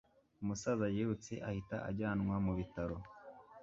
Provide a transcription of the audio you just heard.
umusaza yirutse ahita ajyanwa mu bitaro